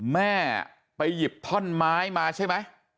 แม่ไปหยิบท่อนไม้มาใช่ไหม